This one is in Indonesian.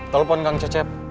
telepon kak cecep